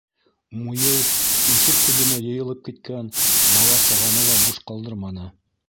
Муйыл ишек төбөнә йыйылып киткән бала-сағаны ла буш ҡалдырманы.